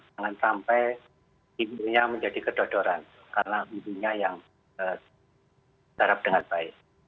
jangan sampai hidupnya menjadi kedodoran karena hidupnya yang diharap dengan baik